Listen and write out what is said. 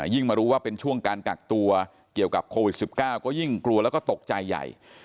มารู้ว่าเป็นช่วงการกักตัวเกี่ยวกับโควิด๑๙ก็ยิ่งกลัวแล้วก็ตกใจใหญ่